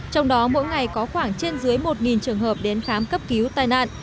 trong đó mỗi ngày có khoảng trên dưới một trường hợp đến khám cấp cứu tai nạn